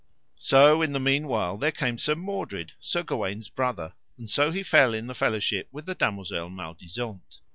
So in the meanwhile there came Sir Mordred, Sir Gawaine's brother, and so he fell in the fellowship with the damosel Maledisant.